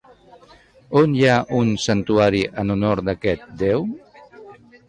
On hi ha un santuari en honor d'aquest déu?